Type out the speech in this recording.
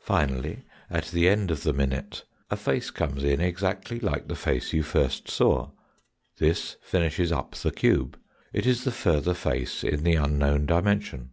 Finally, at the Fig. 90. 148 THE FOUfcTH DIMENSION end of the minute, a face comes in exactly like the face you first saw. This finishes up the cube it is the further face in the unknown dimension.